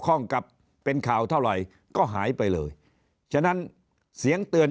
ข้องกับเป็นข่าวเท่าไหร่ก็หายไปเลยฉะนั้นเสียงเตือน